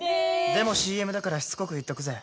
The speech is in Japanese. でもＣＭだからしつこく言っとくぜ！